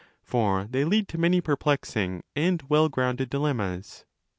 For they lead to many perplexing and well grounded 20 dilemmas.